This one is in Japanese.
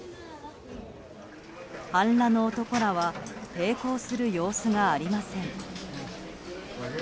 半裸の男らは抵抗する様子がありません。